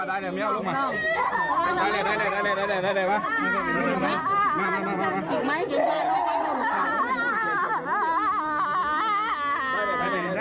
เราอยากมาได้นะคะ